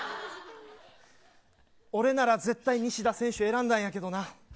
俺なら絶対にニシダ選手選んだんやけどな。